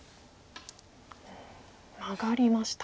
マガりました。